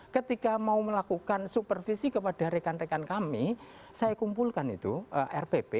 ketika mau melakukan supervisi kepada rekan rekan kami saya kumpulkan itu rpp